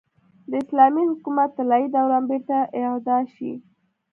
د اسلامي حکومت طلايي دوران بېرته اعاده شي.